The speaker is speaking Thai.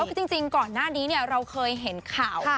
คือจริงก่อนหน้านี้เราเคยเห็นข่าว